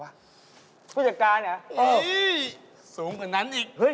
เฮ่ยสูงกว่านั้น